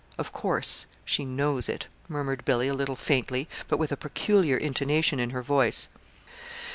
"Of course she knows it," murmured Billy, a little faintly, but with a peculiar intonation in her voice.